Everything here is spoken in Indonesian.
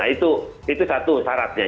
itu satu syaratnya